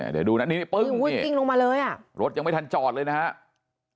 เดี๋ยวดูนะนี่ปึ้งลดยังไม่ทันจอดเลยนะครับ